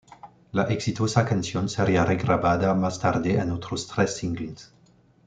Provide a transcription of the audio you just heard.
La exitosa canción sería regrabada más tarde en otros tres singles.